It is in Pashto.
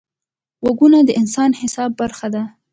غوږونه د انسان حساسه برخه ده